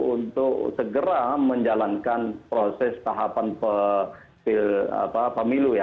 untuk segera menjalankan proses tahapan pemilu ya